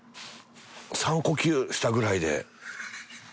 ３呼吸したぐらいで。